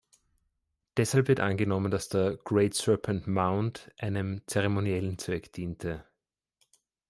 Deshalb wird angenommen, dass der "Great Serpent Mound" einem zeremoniellen Zweck diente.